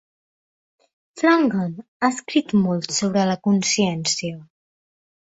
Flanagan ha escrit molt sobre la consciència.